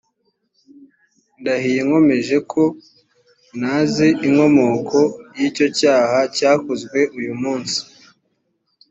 ndahiye nkomeje ko ntazi inkomoko y’icyo cyaha cyakozwe uyu munsi